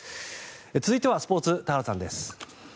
続いてはスポーツ田原さんです。